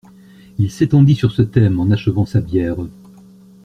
Il s'étendit sur ce thème, en achevant sa bière.